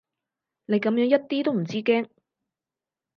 你噉樣一啲都唔知驚